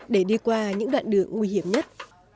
để đi qua những đoạn đường nguy hiểm nhất